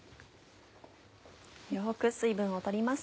よく水分を取ります。